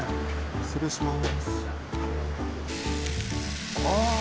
失礼します。